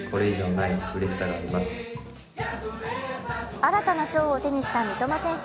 新たな賞を手にした三笘選手。